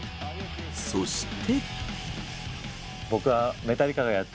そして。